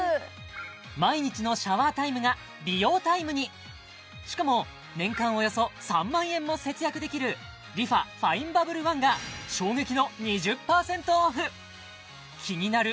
毎日のシャワータイムが美容タイムにしかも年間およそ３万円も節約できるＲｅＦａＦＩＮＥＢＵＢＢＬＥＯＮＥが衝撃の２０％オフキニナル